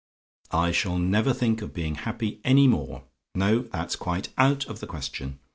"I shall never think of being happy any more. No; that's quite out of the question.